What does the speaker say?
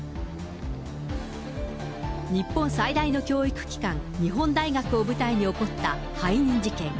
日本最大の教育機関、日本大学を舞台に起こった背任事件。